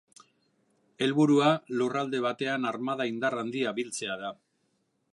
Helburua lurralde batean armada indar handia biltzea da.